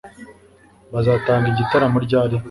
Bazatanga igitaramo ryari